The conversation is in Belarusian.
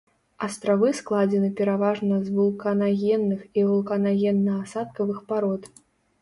Астравы складзены пераважна з вулканагенных і вулканагенна-асадкавых парод.